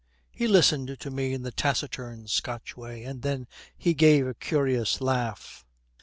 He listened to me in the taciturn Scotch way, and then he gave a curious laugh.'